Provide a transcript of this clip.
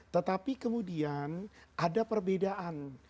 tetapi kemudian ada perbedaan